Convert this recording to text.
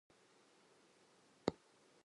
It focused on agriculture.